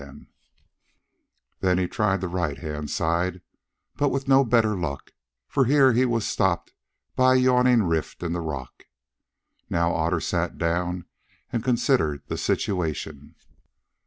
Then he tried the right hand side, but with no better luck, for here he was stopped by a yawning rift in the rock. Now Otter sat down and considered the situation.